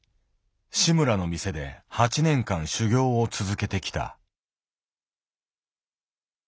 志村の店で８年間修業を続けてきた。